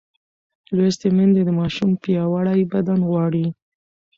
لوستې میندې د ماشوم پیاوړی بدن غواړي.